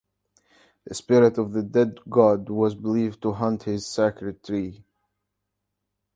The spirit of the dead god was believed to haunt his sacred tree.